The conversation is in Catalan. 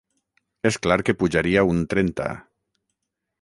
Era clar que pujaria un trenta.